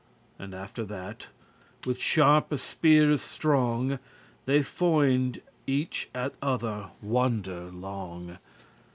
And after that, with sharpe speares strong They foined* each at other wonder long.